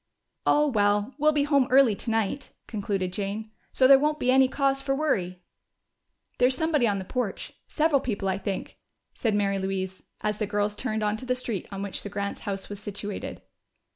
"Oh, well, we'll be home early tonight," concluded Jane. "So there won't be any cause for worry." "There's somebody on the porch several people, I think," said Mary Louise as the girls turned into the street on which the Grants' house was situated.